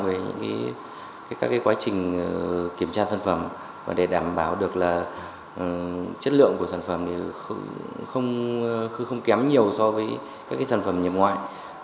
về các quá trình kiểm tra sản phẩm để đảm bảo được là chất lượng của sản phẩm không kém nhiều so với các sản phẩm nhập ngoại